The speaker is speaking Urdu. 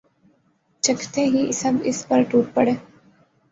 چکھتے ہی سب اس پر ٹوٹ پڑے